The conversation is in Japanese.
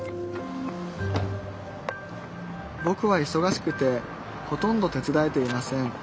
ぼくはいそがしくてほとんど手伝えていません